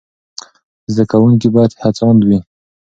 زده کوونکي باید هڅاند وي.